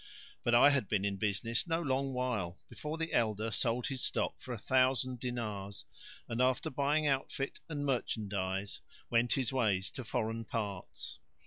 But I had been in business no long while before the elder sold his stock for a thousand dinars, and after buying outfit and merchandise, went his ways to foreign parts.